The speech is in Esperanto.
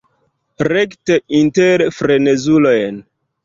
Rekte inter frenezulojn.